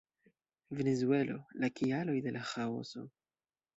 Venezuelo, la kialoj de la ĥaoso.